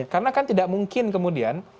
karena kan tidak mungkin kemudian